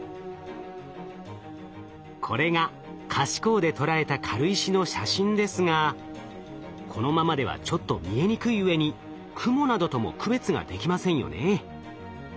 これが可視光で捉えた軽石の写真ですがこのままではちょっと見えにくいうえに雲などとも区別ができませんよね。